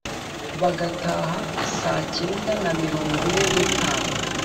bagataha saa kenda na mirongo ine n’itanu.